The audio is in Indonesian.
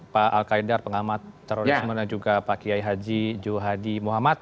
pak al qaidar pengamat terorisme dan juga pak kiai haji juhadi muhammad